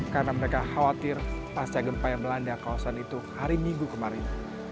karena mereka khawatir pasca gempa yang melanda kawasan itu hari minggu kemarin